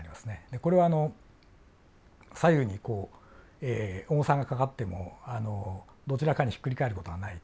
これはあの左右にこう重さがかかってもどちらかにひっくり返る事はないと。